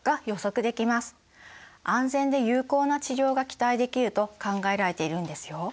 安全で有効な治療が期待できると考えられているんですよ。